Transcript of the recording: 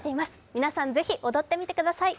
皆さん、ぜひ踊ってみてください。